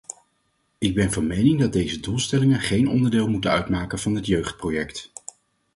Ik ben van mening dat deze doelstellingen geen onderdeel moeten uitmaken van dit jeugdproject.